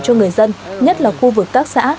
cho người dân nhất là khu vực các xã